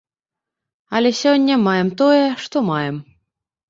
Але сёння маем тое, што маем.